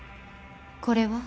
これは？